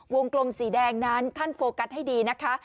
กลมสีแดงนั้นท่านโฟกัสให้ดีนะคะ